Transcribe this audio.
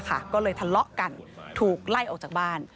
ก็เลยทะเลาะกันถูกไล่ออกจากบ้าน